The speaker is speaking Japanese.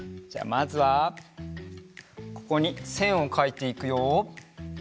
じゃあまずはここにせんをかいていくよ。